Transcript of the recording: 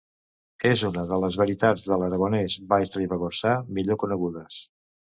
És una de les varietats de l'Aragonès Baix-Ribagorçà millor conegudes.